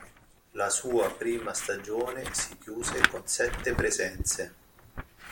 La sua prima stagione si chiuse con sette presenze.